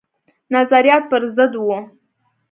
نظریات پر ضد وه.